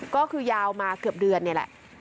ก็คือยาวมาเกือบเดือนนี่แหละ